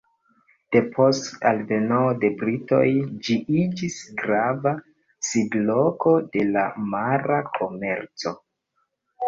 Depost alveno de britoj ĝi iĝis grava sidloko de la mara komerco.